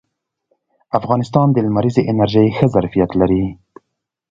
افغانستان د لمریزې انرژۍ ښه ظرفیت لري